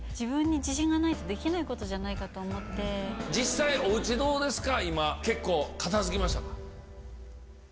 実際おうちどうですか？